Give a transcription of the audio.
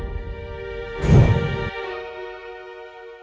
tapi jadi dokter